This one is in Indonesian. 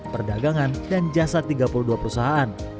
perdagangan dan jasa tiga puluh dua perusahaan